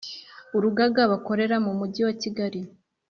Urugaga bakorera mu Mujyi wa Kigali